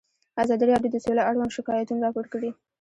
ازادي راډیو د سوله اړوند شکایتونه راپور کړي.